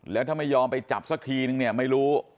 แล้วถ้าไม่ยอมไปจับสักทีนึงเนี่ยไม่รู้